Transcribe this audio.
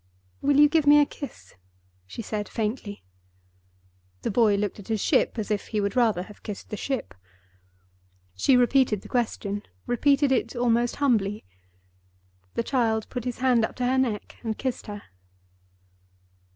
"Will you give me a kiss?" she said, faintly. The boy looked at his ship as if he would rather have kissed the ship. She repeated the question—repeated it almost humbly. The child put his hand up to her neck and kissed her.